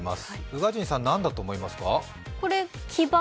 宇賀神さん、何だと思いますか？